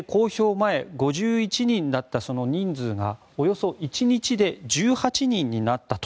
前５１人だった人数がおよそ１日で１８人になったと。